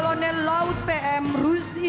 dan jentah saf essensi